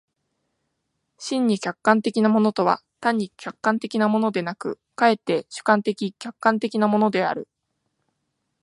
真に客観的なものとは単に客観的なものでなく、却って主観的・客観的なものである。